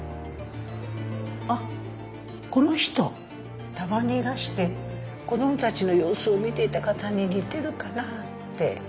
あっこの人たまにいらして子供たちの様子を見ていた方に似てるかなって。